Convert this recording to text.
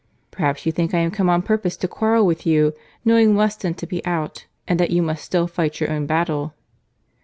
"Perhaps you think I am come on purpose to quarrel with you, knowing Weston to be out, and that you must still fight your own battle."